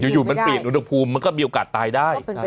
อยู่มันเปลี่ยนอุณหภูมิมันก็มีโอกาสตายได้